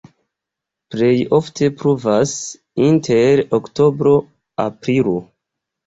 Plej ofte pluvas inter oktobro-aprilo.